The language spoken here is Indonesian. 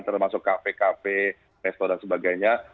termasuk kafe kafe restoran sebagainya